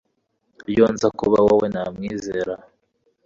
iyo nza kuba wowe, namwizera